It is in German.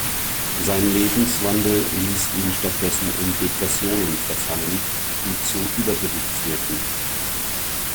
Sein Lebenswandel ließ ihn stattdessen in Depressionen verfallen, die zu Übergewicht führten.